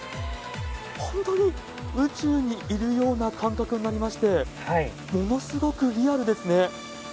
本当に宇宙にいるような感覚になりまして、ものすごくリアルですね。